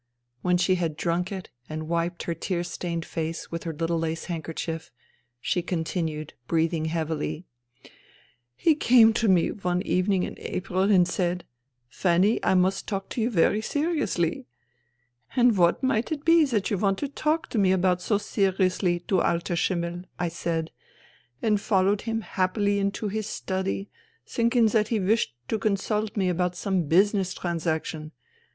When she had drunk it and wiped her tear stained face with her little lace handkerchief, she continued, breathing heavily :" He came to me one evening in April and said :"' Fanny, I must talk to you very seriously.* "' And what might it be that you want to talk to me about so seriously, du alter Schimmel ?* I said, and followed him happily into his study, thinking that he wished to consult me about some business trans action.